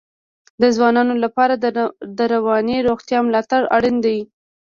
د ځوانانو لپاره د رواني روغتیا ملاتړ اړین دی.